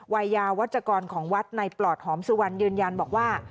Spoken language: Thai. วัยยาวัชกรของวัดในปลอดหอมสุวรรณยืนยันบอกว่า